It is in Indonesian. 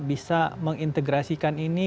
bisa mengintegrasikan ini